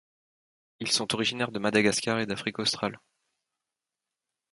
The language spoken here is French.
Ils sont originaires de Madagascar et d'Afrique australe.